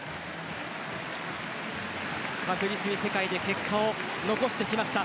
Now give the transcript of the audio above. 確実に世界で結果を残してきました。